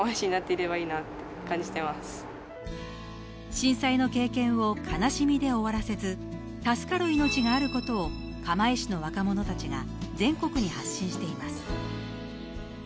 震災の経験を悲しみで終わらせず助かる命があることを釜石市の若者たちが全国に発信しています。